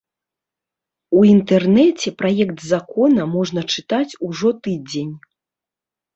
У інтэрнэце праект закона можна чытаць ужо тыдзень.